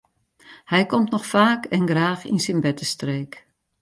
Hy komt noch faak en graach yn syn bertestreek.